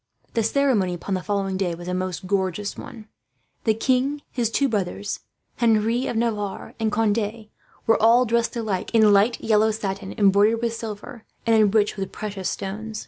The ceremony upon the following day was a most gorgeous one. The king, his two brothers, Henri of Navarre, and Conde were all dressed alike in light yellow satin, embroidered with silver, and enriched with precious stones.